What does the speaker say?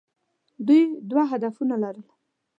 دوی دوه هدفونه لرل.